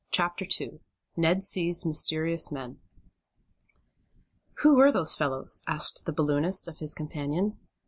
Chapter 2 Ned Sees Mysterious Men "Who were those fellows?" asked the balloonist, of his companion.